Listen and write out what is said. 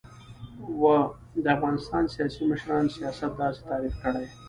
و : د افغانستان سیاسی مشران سیاست داسی تعریف کړی